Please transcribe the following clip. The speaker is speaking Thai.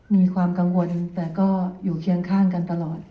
มีความกังวลแต่ก็อยู่เคียงข้างกันตลอด